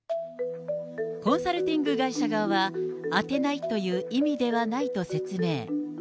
コンサルティング会社側は、当てないという意味ではないと説明。